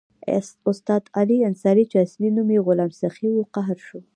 استاد علي انصاري چې اصلي نوم یې غلام سخي وو قهر شو.